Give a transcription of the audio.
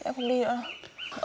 sẽ không đi nữa đâu